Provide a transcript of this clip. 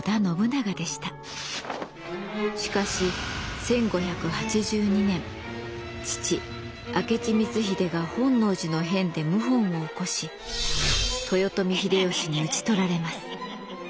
しかし１５８２年父明智光秀が本能寺の変で謀反を起こし豊臣秀吉に討ち取られます。